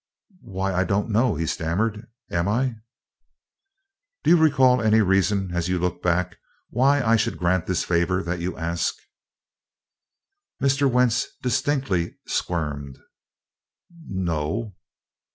"Why, I I don't know," he stammered. "Am I?" "Do you recall any reason, as you look back, why I should grant this favor that you ask?" Mr. Wentz distinctly squirmed. "N no."